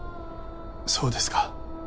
そうですか。